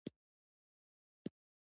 مخالفو قطبونو نمایندګي کوله.